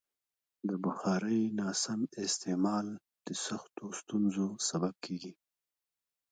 د بخارۍ ناسم استعمال د سختو ستونزو سبب کېږي.